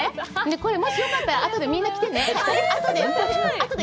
これ、もしよかったらあとで着てね。